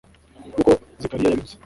Nk`uko Zekariya yabivuze